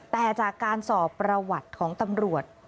แต่จากการสอบประวัติของตำรวจ